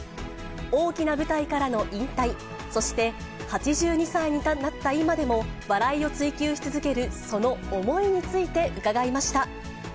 大きな舞台からの引退、そして８２歳になった今も、笑いを追求し続けるその思いについて伺いました。